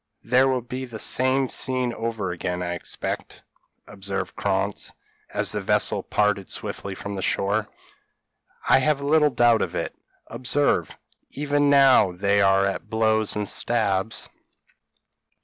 p> "There will be the same scene over again, I expect," observed Krantz, as the vessel parted swiftly from the shore. "I have little doubt of it; observe, even now they are at blows and stabs."